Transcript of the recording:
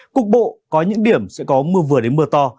cục bộ có những điểm sẽ có mưa vừa đến mưa to